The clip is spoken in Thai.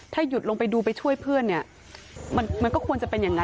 ถ้าหยุดลงไปดูไปช่วยเพื่อนเนี่ยมันก็ควรจะเป็นอย่างนั้น